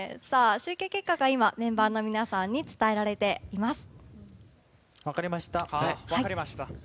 集計結果が今メンバーの皆さんに伝えられています。